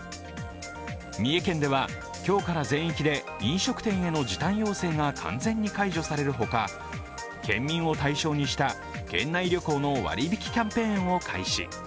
三重県では今日から全域で飲食店での時短要請が完全に解除されるほか県民を対象にした県内旅行の割引キャンペーンを開始。